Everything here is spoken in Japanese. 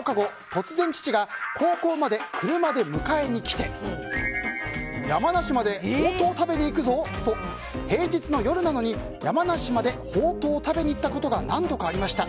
突然、父が高校まで車で迎えに来て山梨までほうとう食べに行くぞと平日の夜なのに山梨にほうとうを食べに行ったことが何度かありました。